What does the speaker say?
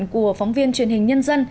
của phóng viên truyền hình nhân dân